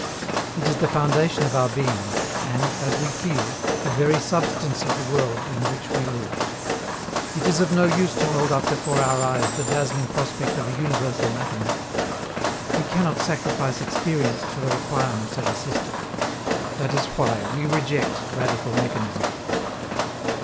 It is the foundation of our being, and, as we feel, the very substance of the world in which we live. It is of no use to hold up before our eyes the dazzling prospect of a universal mathematic; we cannot sacrifice experience to the requirements of a system. That is why we reject radical mechanism.